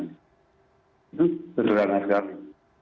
itu sederhana sekali